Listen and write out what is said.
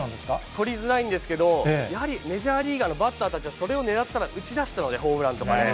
捕りづらいんですけど、やはりメジャーリーガーのバッターたちは、それを狙ったら打ち出したので、ホームランとか。